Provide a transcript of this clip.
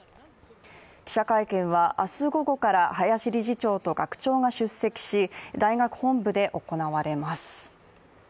記者会見は明日午後から林理事長と学長が出席し大学本部で行われます。